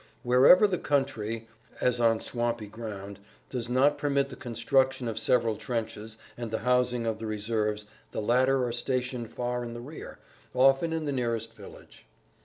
Wherever the country (as on swampy ground) does not permit the construction of several trenches and the housing of the reserves the latter are stationed far in the rear, often in the nearest village.